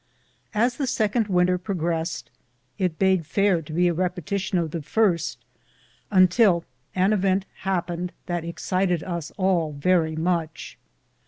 As the second winter progressed it bade fair to be a repetition of the first, until an event happened that ex cited us all very much.